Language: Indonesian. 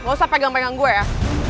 gak usah pegang pegang gue ya